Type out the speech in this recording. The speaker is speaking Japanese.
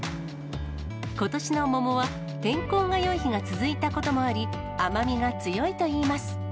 ことしの桃は、天候がよい日が続いたこともあり、甘みが強いといいます。